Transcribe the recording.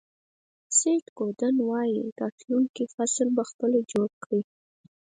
سیټ گودن وایي راتلونکی فصل په خپله جوړ کړئ.